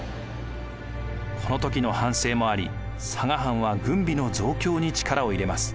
この時の反省もあり佐賀藩は軍備の増強に力を入れます。